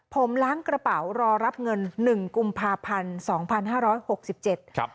ผมล้างกระเป๋ารอรับเงิน๑กุมภาพันธุ์๒๕๖๗